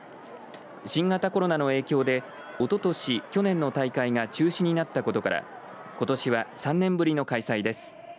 新型コロナの影響でおととし、去年の大会が中止になったことからことしは３年ぶりの開催です。